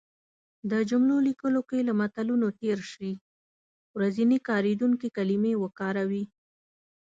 د جملو لیکلو کې له متلونو تېر شی. ورځنی کارېدونکې کلمې وکاروی